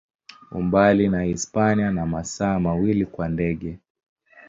Umbali na Hispania ni masaa mawili kwa ndege.